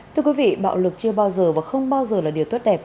thưa quý vị bạo lực chưa bao giờ và không bao giờ là điều tốt đẹp